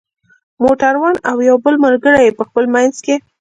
موټر وان او یو بل ملګری یې په خپل منځ کې.